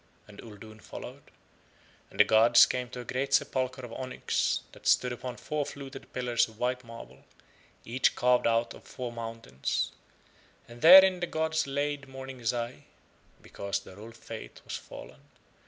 And Uldoon followed. And the gods came to a great sepulchre of onyx that stood upon four fluted pillars of white marble, each carved out of four mountains, and therein the gods laid Morning Zai because the old faith was fallen.